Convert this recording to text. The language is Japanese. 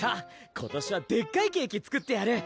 今年はでっかいケーキ作ってやる！